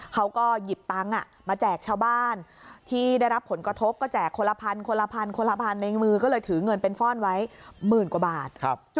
เขาก็หยิบตังค์อะมาแจกชาวบ้าน